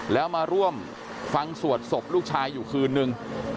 แล้วมาร่วมฟังสวดศพลูกชายอยู่คืนนึง